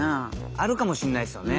あるかもしれないっすよね。